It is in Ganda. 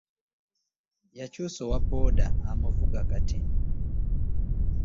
Yakyusa owa boda amuvuga kati